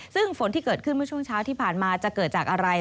ซึ่งฝนที่เกิดขึ้นเมื่อช่วงเช้าที่ผ่านมาจะเกิดจากอะไร